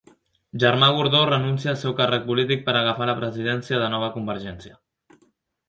Germà Gordó renuncia al seu càrrec polític per agafar la presidència de Nova convergència